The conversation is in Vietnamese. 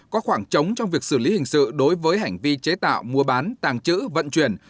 có khoảng trống trong việc xử lý hình sự đối với hành vi chế tạo mua bán tàng trữ vận chuyển